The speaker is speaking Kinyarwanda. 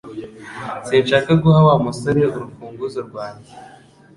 Sinshaka guha Wa musore urufunguzo rwanjye